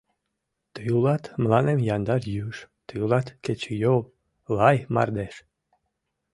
Тый улат мыланем яндар юж, Тый улат кечыйол, лай мардеж.